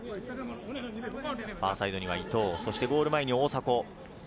ファーサイドには伊東、ゴール前に大迫。